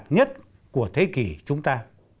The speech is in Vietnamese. lạc nhất của thế kỷ chúng ta